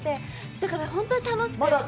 だから、本当に楽しくて。